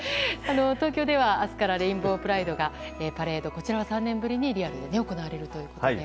東京では明日からレインボープライドのパレードがこちらは３年ぶりにリアルで行われるということで。